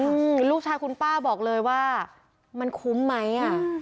คือลูกชายคุณป้าบอกเลยว่ามันคุ้มไหมอ่ะ